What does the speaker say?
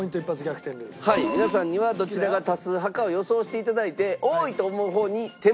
皆さんにはどちらが多数派かを予想して頂いて多いと思う方に手持ちポイント